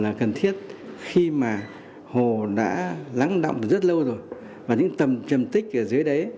nạo vét hồ là cần thiết khi mà hồ đã lắng động từ rất lâu rồi và những tầm trầm tích ở dưới đấy